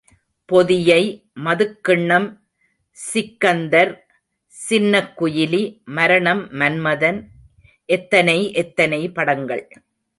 பொதியை, மதுக்கிண்ணம் சிக்கந்தர், சின்னக் குயிலி, மாரணம், மன்மதன், எத்தனை எத்தனை படங்கள்.